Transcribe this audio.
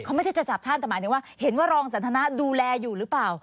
เขาไม่ได้จะจับท่านแต่หมายถึงว่าเห็นว่ารองสันทนาดูแลอยู่หรือเปล่า